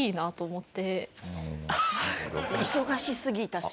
忙しすぎたし。